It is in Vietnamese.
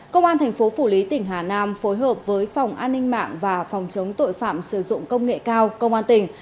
công an thành phố phủ lý tỉnh hà nam phối hợp với phòng an ninh mạng và phòng chống tội phạm sử dụng công nghệ cao công an tỉnh